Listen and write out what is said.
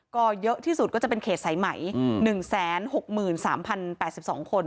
ก็เยอะที่สุดก็จะเป็นเขตสายไหม๑๖๓๐๘๒คน